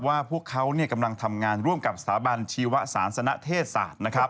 ว่าพวกเขากำลังทำงานร่วมกับสถาบันชีวศาสนเทศศาสตร์นะครับ